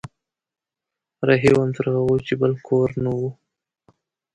رهي وم تر هغو چې بل کور نه و